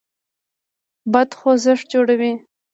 باد خوځښت جوړوي.